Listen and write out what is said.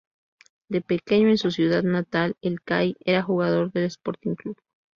De pequeño, en su ciudad natal, "el Cai" era jugador del Sporting Club.